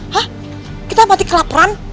hah kita mati kelaparan